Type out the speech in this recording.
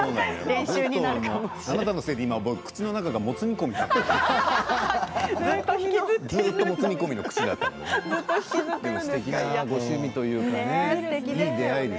あなたのせいで今、口の中がもつ煮込みになっている。